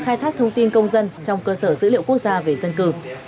khai thác thông tin công dân trong cơ sở dữ liệu quốc gia về dân cư